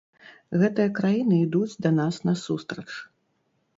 Гэтыя краіны ідуць да нас насустрач.